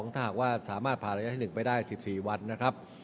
ถ้าหากว่าสามารถผ่านระยะที่๑ไปได้๑๔วันนะครับ